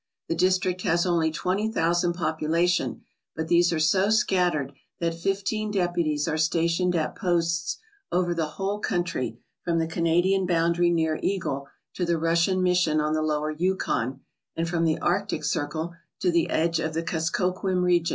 The district has only twenty thousand population, but these are so scattered that fifteen deputies are stationed at posts over the whole country from the Canadian boundary near Eagle to the Russian mission on the Lower Yukon and from the Arctic Circle to the edge of the Kuskokwim region.